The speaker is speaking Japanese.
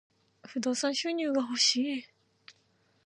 不動産収入が欲しい。